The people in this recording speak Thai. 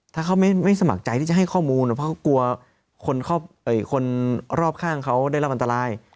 ถ้าเขาไม่สมัครใจที่จะให้ข้อมูลเพราะกลัวคนรอบข้างเขาได้รับอันตราย